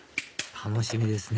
楽しみですね